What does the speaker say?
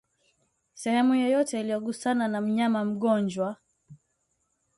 sehemu yoyote iliyogusana na mnyama mgonjwa